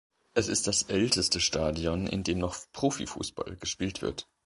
Es ist das älteste Stadion, in dem noch Profifußball gespielt wird.